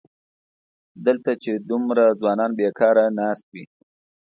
دلته چې دومره ځوانان بېکاره ناست وي.